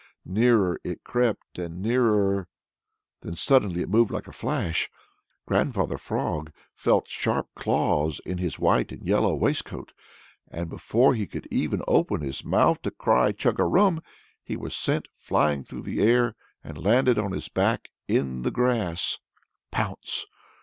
Nearer it crept and nearer. Then suddenly it moved like a flash. Grandfather Frog felt sharp claws in his white and yellow waistcoat, and before he could even open his mouth to cry "Chugarum," he was sent flying through the air and landed on his back in the grass. Pounce!